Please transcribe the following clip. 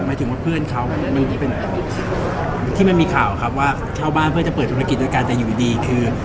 หมายถึงว่าเพื่อนเขาเมื่อกี้เป็นที่มันมีข่าวครับว่าเช่าบ้านเพื่อจะเปิดธุรกิจด้วยกันแต่อยู่ดีคือ